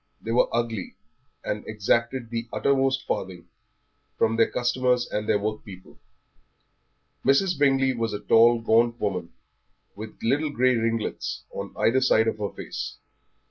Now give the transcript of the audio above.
They were ugly, and exacted the uttermost farthing from their customers and their workpeople. Mrs. Bingley was a tall, gaunt woman, with little grey ringlets on either side of her face.